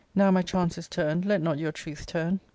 Now my chance is turned, let not your truth turn.